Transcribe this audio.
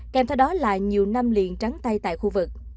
kèm theo đó là nhiều năm liền trắng tay tại khu vực